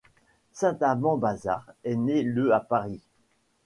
Saint-Amand Bazard est né le à Paris.